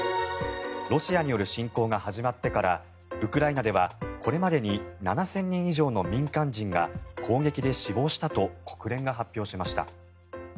ロシアによる侵攻が始まってからウクライナではこれまでに７０００人以上の民間人が攻撃で死亡したと国連が発表しました。